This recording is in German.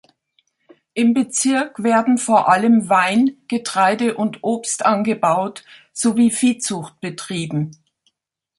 Im Bezirk werden vor allem Wein, Getreide und Obst angebaut sowie Viehzucht betrieben.